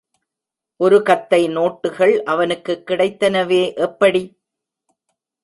ஒரு கத்தை நோட்டுக்கள் அவனுக்குக் கிடைத்தனவே, எப்படி?